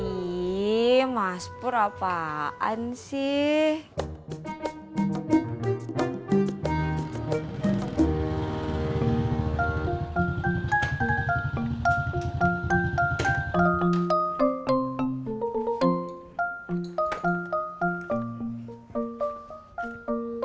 ih mas pur apaan sih